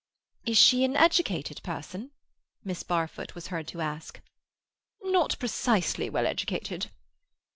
"Is she an educated person?" Miss Barfoot was heard to ask. "Not precisely well educated."